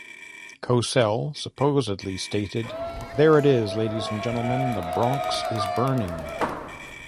Cosell supposedly stated, "There it is, ladies and gentlemen, "The Bronx is burning".